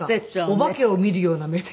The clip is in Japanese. お化けを見るような目で。